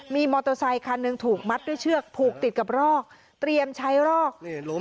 มีมอเตอร์ไซคันหนึ่งถูกมัดด้วยเชือกผูกติดกับรอกเตรียมใช้รอก